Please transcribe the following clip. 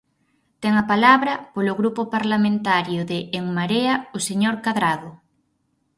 Ten a palabra, polo Grupo Parlamentario de En Marea, o señor Cadrado.